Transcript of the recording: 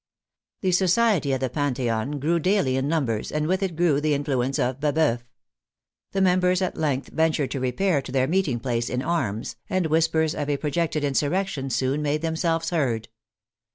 The society at the Pantheon grew daily in numbers, and with it grew the influence of Baboeuf. The mem bers at length ventured to repair to their meeting place in arms, and whispers of a projected insurrection soon made themselves heard.